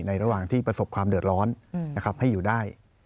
ระหว่างที่ประสบความเดือดร้อนนะครับให้อยู่ได้